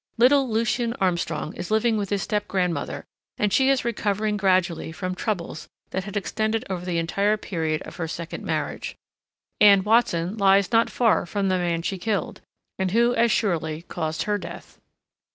Little Lucien Armstrong is living with his step grandmother, and she is recovering gradually from troubles that had extended over the entire period of her second marriage. Anne Watson lies not far from the man she killed, and who as surely caused her death.